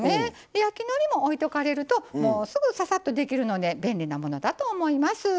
焼きのりも置いとかれるともうすぐささっとできるので便利なものだと思います。